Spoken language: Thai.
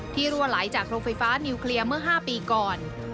รั่วไหลจากโรงไฟฟ้านิวเคลียร์เมื่อ๕ปีก่อน